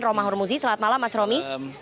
romah hormuzi selamat malam mas romi